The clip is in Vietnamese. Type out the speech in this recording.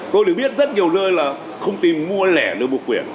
tôi được biết rất nhiều nơi là không tìm mua lẻ được một quyển